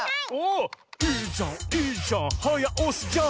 「いいじゃんいいじゃんはやおしじゃん」